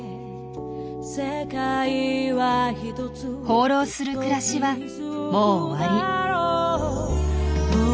放浪する暮らしはもう終わり。